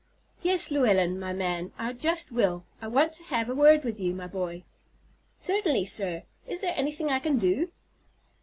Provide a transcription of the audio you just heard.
"Yes, Llewellyn, my man, I just will. I want to have a word with you, my boy." "Certainly, sir. Is there anything I can do?"